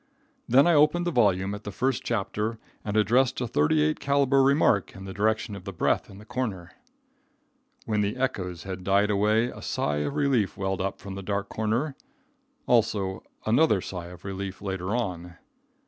Then I opened the volume at the first chapter and addressed a thirty eight calibre remark in the direction of the breath in the corner. When the echoes had died away a sigh of relief welled up from the dark corner. Also another sigh of relief later on.